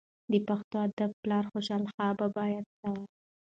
د پښتو ادب پلار خوشحال بابا یاد سوى.